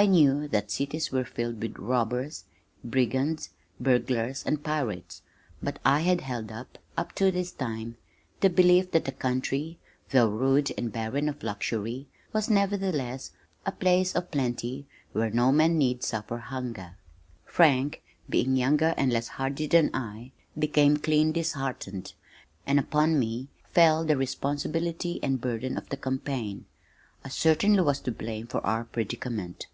I knew that cities were filled with robbers, brigands, burglars and pirates, but I had held (up to this time), the belief that the country, though rude and barren of luxury was nevertheless a place of plenty where no man need suffer hunger. Frank, being younger and less hardy than I, became clean disheartened, and upon me fell the responsibility and burden of the campaign. I certainly was to blame for our predicament.